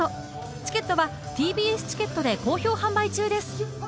チケットはＴＢＳチケットで好評販売中です